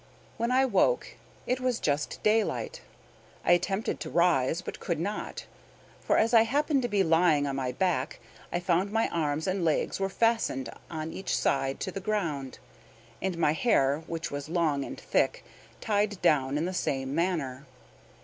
When I woke, it was just daylight. I attempted to rise, but could not; for as I happened to be lying on my back, I found my arms and legs were fastened on each side to the ground; and my hair, which was long and thick, tied down in the same manner.